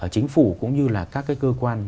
chính phủ cũng như là các cái cơ quan